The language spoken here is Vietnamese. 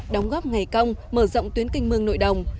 đóng góp ngày công mở rộng tuyến canh mương nội đồng